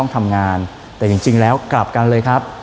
ทำงานแต่จริงแล้วกลับกันเลยครับ